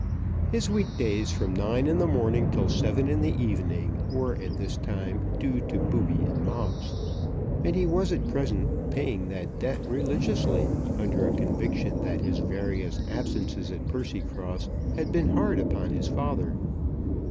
His weekdays, from nine in the morning till seven in the evening, were at this time due to Booby and Moggs, and he was at present paying that debt religiously, under a conviction that his various absences at Percycross had been hard upon his father.